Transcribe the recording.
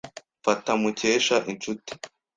Mfata Mukesha inshuti.